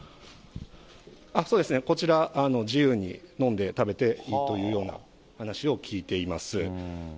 そうですね、こちら、自由に飲んで、食べていいというような話を聞いています。